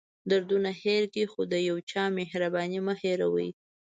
دردونه هېر کړئ خو د یو چا مهرباني مه هېروئ.